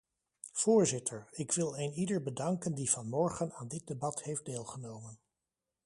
Voorzitter, ik wil een ieder bedanken die vanmorgen aan dit debat heeft deelgenomen.